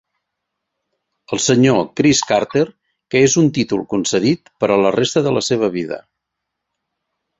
El Sr. Chris Carter, que és un títol concedit per a la resta de la seva vida.